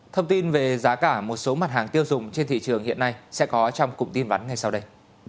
thông tin về giá cả một số mặt hàng tiêu dùng trên thị trường hiện nay sẽ có trong cụm tin vắn ngay sau đây